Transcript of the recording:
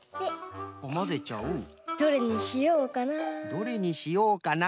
どれにしようかな。